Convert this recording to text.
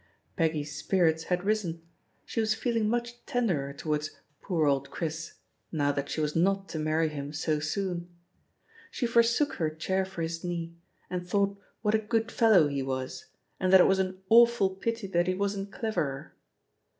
Peggy's spirits had risen; she was feeling much tenderer towards "poor old Chris" now that she was not to marry him so soon. She forsook her «68 THE POSITION OF PEGGY HABPER chair for his knee, and thought what a "^good ifel* loV he was, and that it was an "awful pity that he wasn't cleverer."